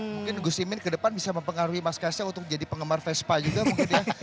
mungkin gus imin ke depan bisa mempengaruhi mas kaisang untuk jadi penggemar vespa juga mungkin ya